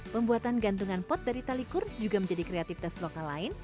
pembuatan gantungan pot dari tali kur juga menjadi kreativitas lokal lain